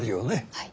はい。